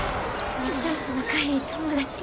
めっちゃ仲良い友達。